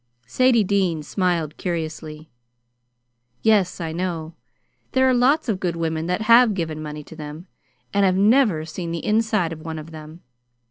Sadie Dean smiled curiously. "Yes, I know. There are lots of good women that have given money to them and have never seen the inside of one of them.